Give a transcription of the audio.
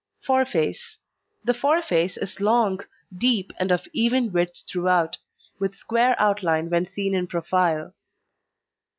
FOREFACE The foreface is long, deep, and of even width throughout, with square outline when seen in profile.